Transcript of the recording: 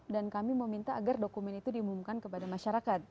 dan kami meminta agar dokumen itu diumumkan kepada masyarakat